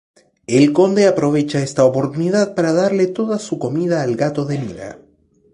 El Conde aprovecha esta oportunidad para darle toda su comida al gato de Mina.